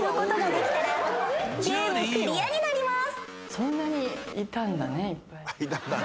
そんなにいたんだねいっぱい。